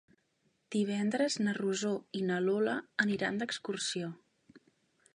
Divendres na Rosó i na Lola aniran d'excursió.